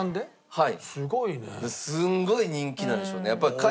はい。